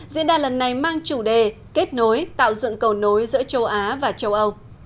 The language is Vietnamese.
diễn đàn lần này mang chủ đề kết nối tạo dựng cầu nối giữa châu á và châu âu